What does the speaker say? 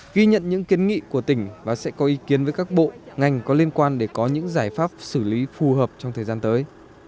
ghi nhận những kiến nghị của tỉnh và sẽ có ý kiến với các bộ ngành có liên quan để có những giải pháp xử lý phù hợp trong thời gian tới